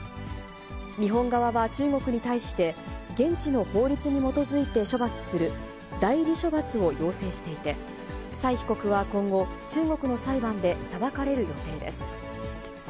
日本側は中国に対して、現地の法律に基づいて処罰する代理処罰を要請していて、斉被告は今後、中国の裁判で裁かれる予定です。